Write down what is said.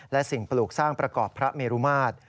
และสิ่งปลูกสร้างประกอบพระเมรุมาตร